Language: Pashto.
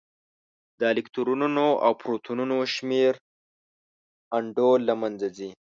د الکترونونو او پروتونونو شمېر انډول له منځه ځي.